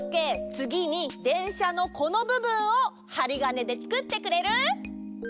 つぎにでんしゃのこのぶぶんをハリガネでつくってくれる？